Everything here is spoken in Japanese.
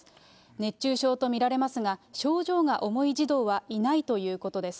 熱中症と見られますが、症状が重い児童はいないということです。